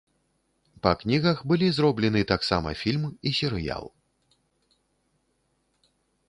Па кнігах былі зроблены таксама фільм і серыял.